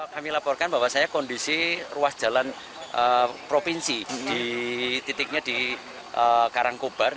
kami laporkan bahwasannya kondisi ruas jalan provinsi di titiknya di karangkobar